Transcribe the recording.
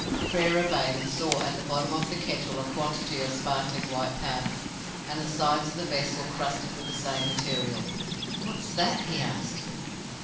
Frere obeyed, and saw at the bottom of the kettle a quantity of sparkling white powder, and the sides of the vessel crusted with the same material. "What's that?" he asked.